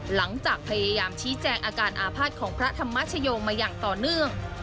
หลังจากพยายามชี้แจงอาการอาภาษณ์ของพระธรรมชโยมาอย่างต่อเนื่อง